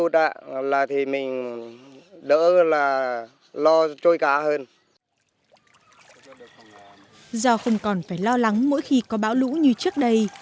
do không còn phải lo lắng mỗi khi có bão lũ như trước đây